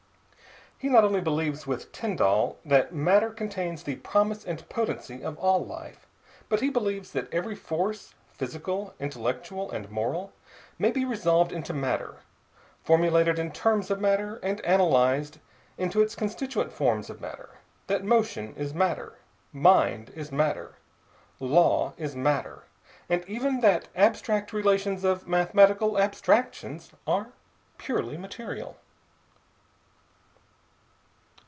He not only believes with Tyndall that matter contains the promise and potency of all life, but he believes that every force, physical, intellectual, and moral, may be resolved into matter, formulated in terms of matter, and analyzed into its constituent forms of matter; that motion is matter, mind is matter, law is matter, and even that abstract relations of mathematical abstractions are purely material.